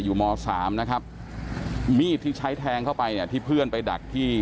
อยู่มสามนะครับมีดที่ใช้แทงเข้าไปเนี่ยที่เพื่อนไปดักที่